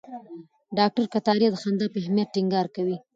ډاکټر کتاریا د خندا په اهمیت ټینګار کوي.